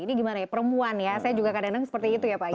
ini gimana ya perempuan ya saya juga kadang kadang seperti itu ya pak